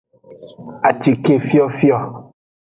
Acike fiofio.